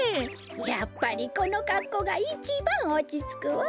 やっぱりこのかっこうがいちばんおちつくわ。